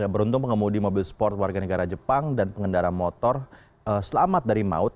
beruntung pengemudi mobil sport warga negara jepang dan pengendara motor selamat dari maut